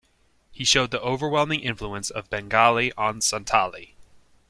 He showed the overwhelming influence of Bengali on Santhali.